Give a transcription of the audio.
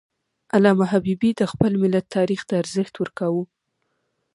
علامه حبیبي د خپل ملت تاریخ ته ارزښت ورکاوه.